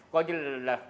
coi như là